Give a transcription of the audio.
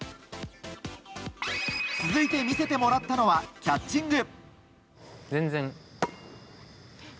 続いて見せてもらったのはキャッチング。